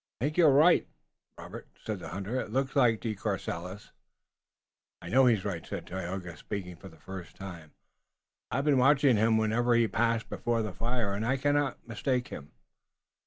"I think you're right, Robert," said the hunter. "It looks like De Courcelles." "I know he is right," said Tayoga, speaking for the first time. "I have been watching him whenever he passed before the fire, and I cannot mistake him."